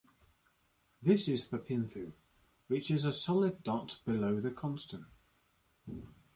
This is the pinthu, which is a solid dot below the consonant.